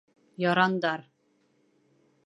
Ярандар: